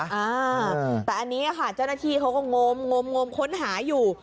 อ้าวแต่อันนี้เจ้าหน้าที่เขาก็งมค้นหาอยู่